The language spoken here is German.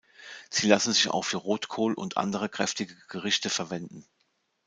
Sie lassen sich auch für Rotkohl und andere, kräftige Gerichte verwenden.